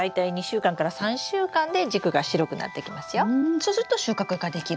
そうすると収穫ができる？